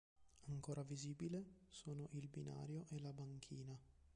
Ancora visibile sono il binario e la banchina.